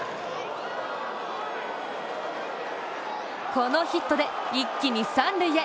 このヒットで、一気に三塁へ。